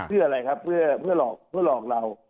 เพื่ออะไรครับเพื่อหลอกเรา